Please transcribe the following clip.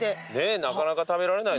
なかなか食べられない。